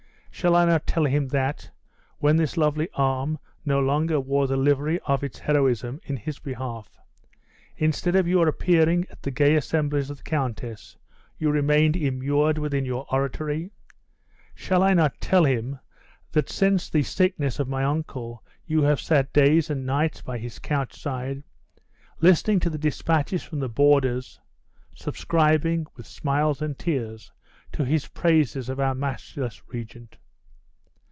Shall I not tell him that, when this lovely arm no longer wore the livery of its heroism in his behalf, instead of your appearing at the gay assemblies of the countess, you remained immured within your oratory? Shall I not tell him that since the sickness of my uncle you have sat days and nights by his couch side, listening to the dispatches from the borders subscribing, with smiles and tears, to his praises of our matchless regent?